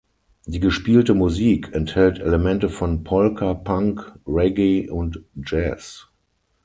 Die gespielte Musik enthält Elemente von Polka, Punk, Reggae und Jazz.